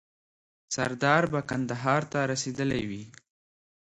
سردار به کندهار ته رسېدلی وي.